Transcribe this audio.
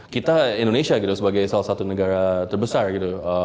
kita indonesia gitu sebagai salah satu negara terbesar gitu